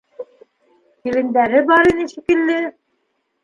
Килендәре бар ине, шикелле.